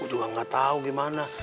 gue juga gak tau gimana